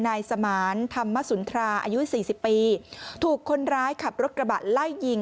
นายสมานธรรมสุนทราอายุสี่สิบปีถูกคนร้ายขับรถกระบะไล่ยิง